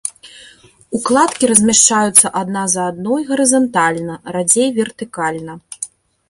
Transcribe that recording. Укладкі размяшчаюцца адна за адной гарызантальна, радзей вертыкальна.